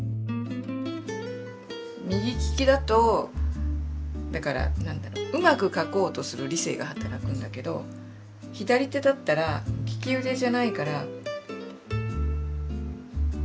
右利きだとだから何だろううまく書こうとする理性が働くんだけど発想みたいなのが働くんで何かう